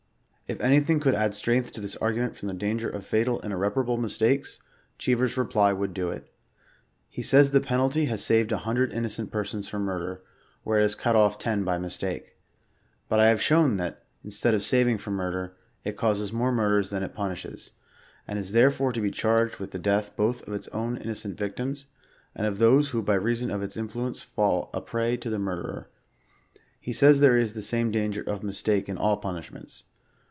If anything could add strength to this argument frdmthe danger of fatal and irreparable mistakes, Cheever's reply would do it. He says the penalty has saved a hundred innocent persons from murder, where it has cut off ten by mistake. But I have shown that, instead of saving from murdt;^ it causes more mur* ders than it punishes, and is therefore to be charged with the death both of its own innocent victims, and of those who by rea son of its influence, fall a prey to the murderer. He says there is the same danget of mistake in all punishments.